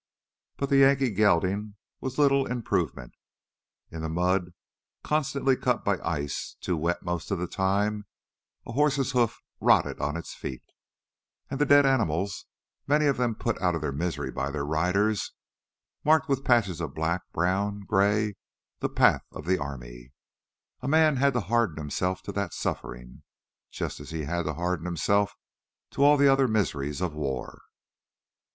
But the Yankee gelding was little improvement. In the mud, constantly cut by ice, too wet most of the time, a horse's hoofs rotted on its feet. And the dead animals, many of them put out of their misery by their riders, marked with patches of black, brown, gray, the path of the army. A man had to harden himself to that suffering, just as he had to harden himself to all the other miseries of war.